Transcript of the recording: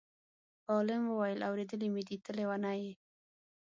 عالم وویل: اورېدلی مې دی ته لېونی یې.